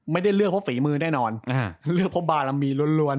ไม่ได้เลือกเพราะฝีมือแน่นอนเลือกเพราะบารมีล้วน